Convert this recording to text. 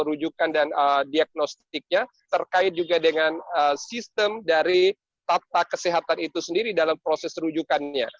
rujukan dan diagnostiknya terkait juga dengan sistem dari tata kesehatan itu sendiri dalam proses rujukannya